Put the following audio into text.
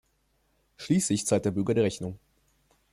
Schließlich zahlt der Bürger die Rechnung.